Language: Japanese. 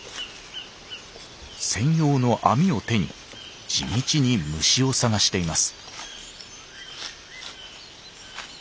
専用の網を手に地道に虫を探しています。